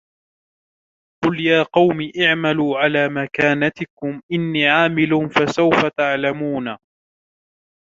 قُلْ يَا قَوْمِ اعْمَلُوا عَلَى مَكَانَتِكُمْ إِنِّي عَامِلٌ فَسَوْفَ تَعْلَمُونَ